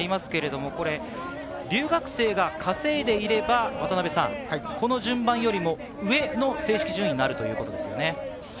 留学生が稼いでいれば、この順番よりも上の正式順位になりますね。